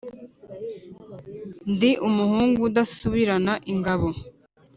Ndi umuhungu udasubirana ingabo.